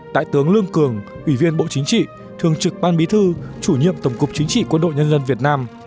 đại tướng lương cường ủy viên bộ chính trị thường trực ban bí thư chủ nhiệm tổng cục chính trị quân đội nhân dân việt nam